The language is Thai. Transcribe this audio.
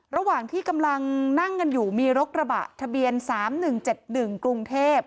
ระหว่างที่กำลังนั่งกันอยู่มีรถกระบะทะเบียน๓๑๗๑กรุงเทพ